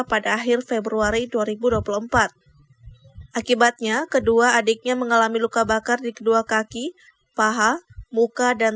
pada akhir februari dua ribu dua puluh empat akibatnya kedua adiknya mengalami luka bakar di kedua kaki paha muka dan